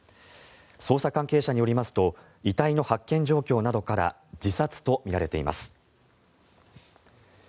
捜査関係者によりますと遺体の発見状況などから自殺とみられています。